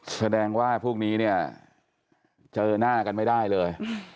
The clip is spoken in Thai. แสดงว่าพวกนี้เนี่ยเจอหน้ากันไม่ได้เลย